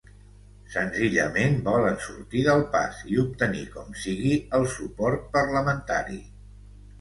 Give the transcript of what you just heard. Senzillament volen sortir del pas i obtenir com sigui el suport parlamentari